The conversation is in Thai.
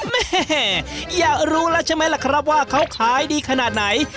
แม่อยากรู้แล้วใช่ไหมล่ะครับว่าเขาขายดีขนาดไหน